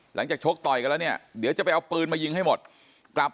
ชกต่อยกันแล้วเนี่ยเดี๋ยวจะไปเอาปืนมายิงให้หมดกลับ